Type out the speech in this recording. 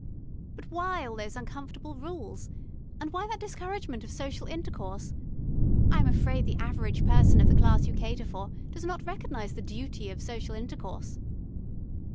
"But why all those uncomfortable rules? And why that discouragement of social intercourse? I am afraid the average person of the class you cater for does not recognise the duty of social intercourse."